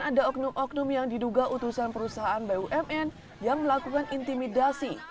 ada oknum oknum yang diduga utusan perusahaan bumn yang melakukan intimidasi